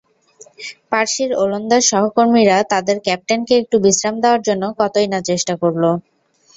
পার্সির ওলন্দাজ সহকর্মীরা তাদের ক্যাপ্টেনকে একটু বিশ্রাম দেওয়ার জন্য কতই-না চেষ্টা করল।